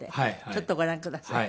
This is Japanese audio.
ちょっとご覧ください。